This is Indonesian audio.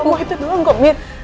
aku cuma mau itu doang kok mir